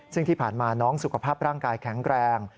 ซึ่งที่ผ่านมาน้องสุขภาพร่างกายแข็งแรง